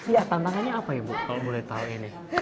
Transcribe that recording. ya tantangannya apa ya bu kalau boleh tahu ini